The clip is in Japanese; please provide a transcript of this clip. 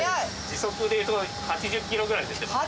時速でいうと８０キロぐらい出てます。